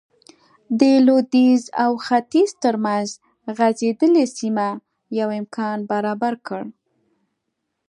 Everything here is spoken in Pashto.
د لوېدیځ او ختیځ ترمنځ غځېدلې سیمه یو امکان برابر کړ.